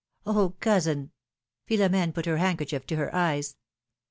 Oh ! cousin !" Philom^ne put her handkerchief to her eyes.